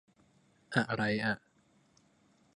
อะไรอ่ะ